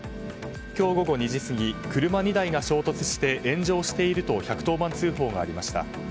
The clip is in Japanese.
今日午後２時過ぎ車２台が衝突して炎上していると１１０番通報がありました。